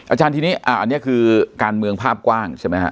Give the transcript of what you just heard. อาจารย์ทีนี้อันนี้คือการเมืองภาพกว้างใช่ไหมฮะ